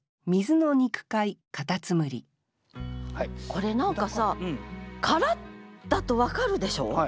これ何かさ殻だと分かるでしょ？